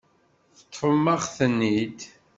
Teṭṭfem-aɣ-ten-id.